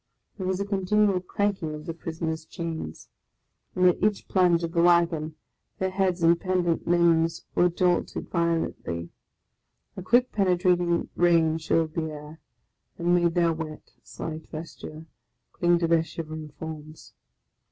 There was a continual clanking of the prisoners' chains, and at each plunge of the wagon their heads and pendant limbs were jolted violently. A quick penetrating rain chilled the air, and made their wet slight vesture cling to their shivering forms.